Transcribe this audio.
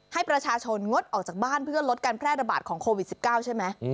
ให้ประชาชนงดออกจากบ้านเพื่อลดการแพร่ระบาดของโควิด๑๙ใช่ไหม